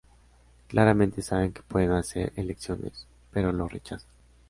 Claramente saben que pueden hacer elecciones, pero lo rechazan.